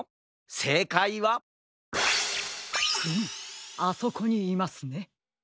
せいかいはフムあそこにいますね。